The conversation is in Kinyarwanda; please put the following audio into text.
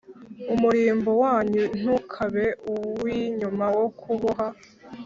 Umurimbo wanyu ntukabe uw inyuma wo kuboha